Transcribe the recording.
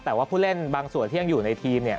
แต่ว่าผู้เล่นบางส่วนที่ยังอยู่ในทีม